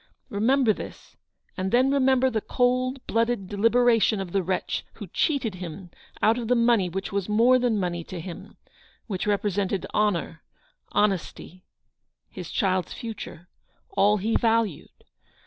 Remember this; and then remember the cold blooded deli beration of the wretch who cheated him out of the money which was more than money to him — which represented honour — honesty — his child's future — all he valued.